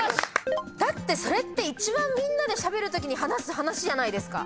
だってそれって一番みんなでしゃべるときに話す話じゃないですか。